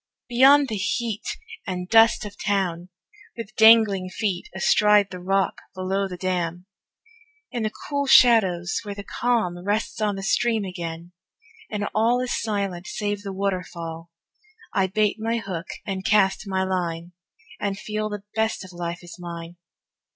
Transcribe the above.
Beyond the heat And dust of town, with dangling feet Astride the rock below the dam, In the cool shadows where the calm Rests on the stream again, and all Is silent save the waterfall, I bait my hook and cast my line, And feel the best of life is mine.